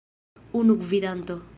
Unu gvidanto!